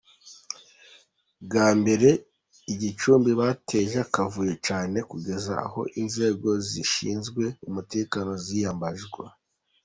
Bwa mbere i Gicumbi bateje akavuyo cyane kugeza aho inzego zishinzwe umutekano ziyambazwa.